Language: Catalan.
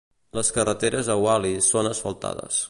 Les carreteres a Wallis són asfaltades.